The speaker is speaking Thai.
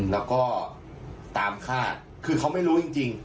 แล้วก็ตามคาดคือเขาไม่รู้จริง